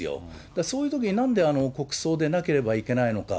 だからそういうときに、なんで国葬でなければいけないのか。